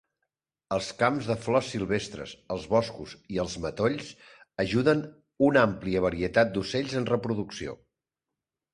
Els camps de flors silvestres, els boscos i els matolls ajuden una àmplia varietat d'ocells en reproducció.